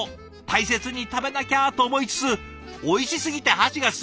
大切に食べなきゃと思いつつおいしすぎて箸が進みいつも